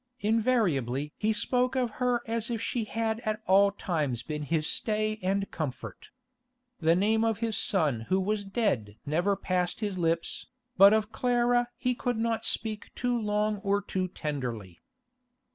Invariably he spoke of her as if she had at all times been his stay and comfort. The name of his son who was dead never passed his lips, but of Clara he could not speak too long or too tenderly.